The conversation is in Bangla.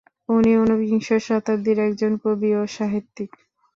তিনি ঊনবিংশ শতাব্দীর একজন কবি ও সাহিত্যিক।